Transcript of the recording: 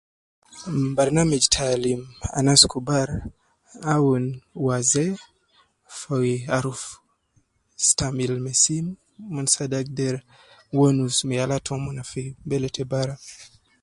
Barnamij ta alim anas kubar awun waze fi aruf stamil me sim, mon saade agder wonus me yala tomon fi be te bara